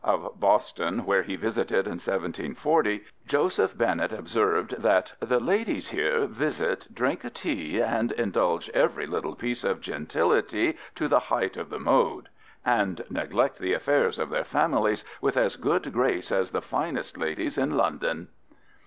Of Boston, where he visited in 1740, Joseph Bennett observed that "the ladies here visit, drink tea and indulge every little piece of gentility to the height of the mode and neglect the affairs of their families with as good grace as the finest ladies in London."